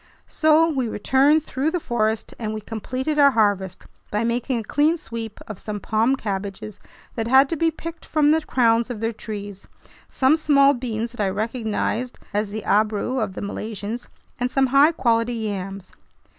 So we returned through the forest, and we completed our harvest by making a clean sweep of some palm cabbages that had to be picked from the crowns of their trees, some small beans that I recognized as the "abrou" of the Malaysians, and some high quality yams.